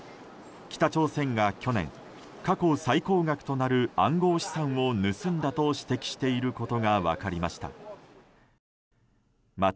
北朝鮮が去年、過去最高額となる暗号資産を盗んだと指摘していることが分かりました。